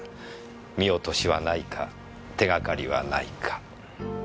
見落としはないか手がかりはないか。